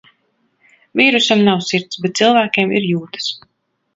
Vīrusam nav sirds, bet cilvēkiem ir jūtas.